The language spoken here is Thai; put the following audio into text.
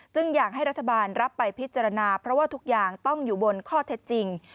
อยากให้รัฐบาลรับไปพิจารณาเพราะว่าทุกอย่างต้องอยู่บนข้อเท็จจริง